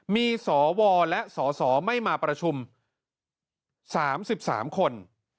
มีสวและสสไม่มาประชุม๓๓คน